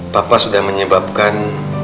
papa sudah menyebabkan